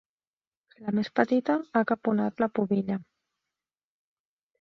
La més petita ha caponat la pubilla.